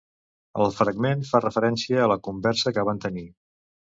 El fragment fa referència a la conversa que van tenir